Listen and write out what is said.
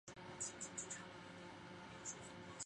封崇寺的历史年代为明代。